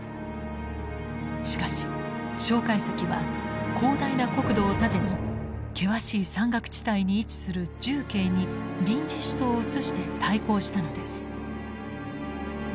しかし介石は広大な国土を盾に険しい山岳地帯に位置する重慶に臨時首都をうつして対抗したのです。